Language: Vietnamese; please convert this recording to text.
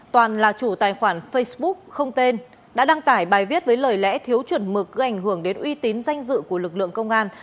toàn là chủ tài khoản facebook không tên đã đăng tải bài viết với lời lẽ thiếu chuẩn mực gây ảnh hưởng đến uy tín danh dự của lực lượng công an